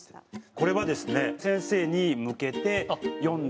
これはですね先生に向けて詠んだ。